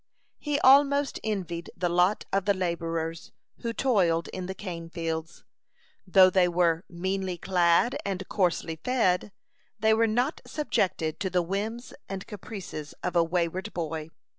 He almost envied the lot of the laborers, who toiled in the cane fields. Though they were meanly clad and coarsely fed, they were not subjected to the whims and caprices of a wayward boy.